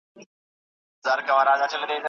سپیدې چوي د سهار ستوری ختلی